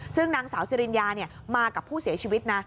ซึ่งนางสาวสิริญญามากับผู้เสียชีวิตนะ